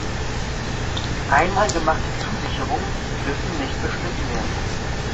Einmal gemachte Zusicherungen dürfen nicht beschnitten werden.